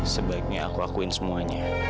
sebaiknya aku akuin semuanya